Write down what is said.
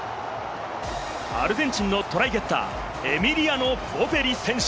アルゼンチンのトライゲッター、エミリアノ・ボフェリ選手